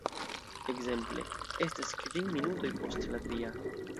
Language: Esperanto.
Ekzemple: "Estas kvin minutoj post la tria.